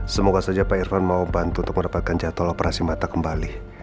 semoga saja pak irfan mau bantu untuk mendapatkan jadwal operasi mata kembali